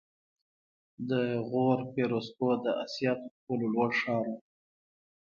د غور فیروزکوه د اسیا تر ټولو لوړ ښار و